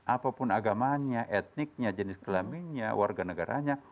apapun agamanya etniknya jenis kelaminnya warga negaranya